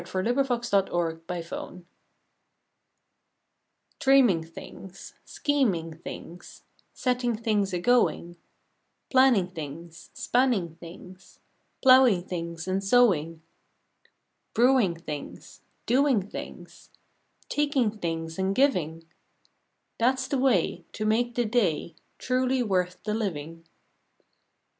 November Twenty sixth ACTION TVREAMING things, Scheming things, Setting things a going; Planning things, Spanning things, Plowing things and sowing, Brewing things, Doing things, Taking things and giving That s the way To make the day Truly worth the living.